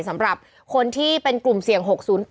สำหรับคนที่เป็นกลุ่มเสี่ยง๖๐๘